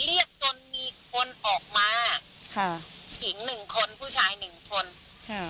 เรียกจนมีคนออกมาค่ะหญิงหนึ่งคนผู้ชายหนึ่งคนอืม